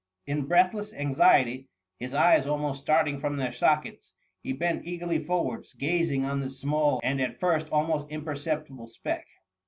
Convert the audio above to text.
In breathless anxiety, his eyes almost starting from their sockets, he bent eagerly forwards, gazing on this small and at first almost im perceptible speck.